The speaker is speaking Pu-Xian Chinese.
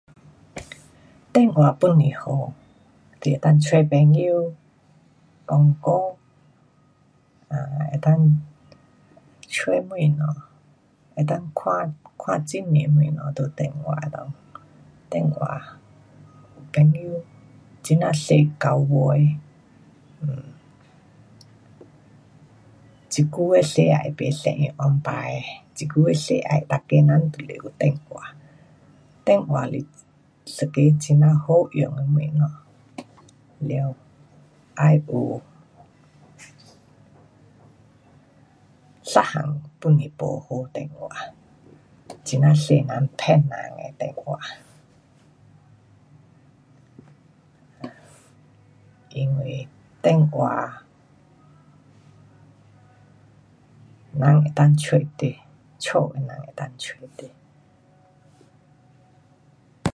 电话pun是好。你能够找朋友。讲聊。啊，能够找东西，能够看，看很多东西在电话的内，电话，朋友，很呀多交陪。嗯，这久的世界不一样以前的。这久的世界每个人就是有电话，电话是一个很呀好用的东西。完，要有一样pun是不好电话，很呀多人骗人的电话。因为电话人能够找你，家的人能够找你。